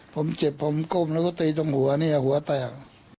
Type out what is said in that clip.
ผมเจ็บผมก้มแล้วก็ตีตรงหัวเนี่ยหัวแตก